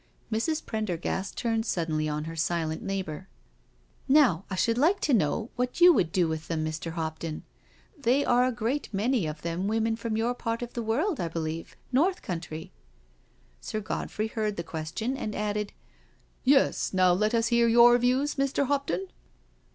Mrs. Prendergast turned suddenly on her silent neighbour: " Now, I should like to know what you would do with them, Mr. Hopton? They are a great many of them women from your part of the world, I believe — North Country '' Sir Godfrey heard the question and added: " Yes, now let us hear your views, Mr. Hopton?"